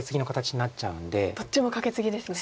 どっちもカケツギですね。